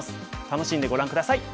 楽しんでご覧下さい。